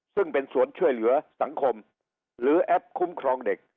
ซึ่งเป็นสวนช่วยเหลือสังคมหรือแอปคุ้มครองเด็ก